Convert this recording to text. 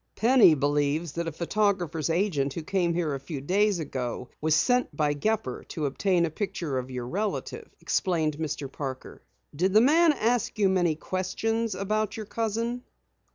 "Penny believes that a photographer's agent who came here a few days ago was sent by Gepper to obtain a picture of your relative," explained Mr. Parker. "Did the man ask you many questions about your cousin?"